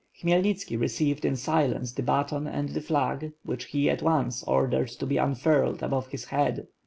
Khmyelnitski received in silence the baton and the flag, which he at once ordered to be unfurled above his head.